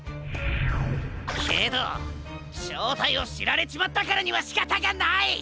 けどしょうたいをしられちまったからにはしかたがない。